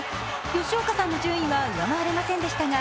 吉岡さんの順位は上回れませんでしたが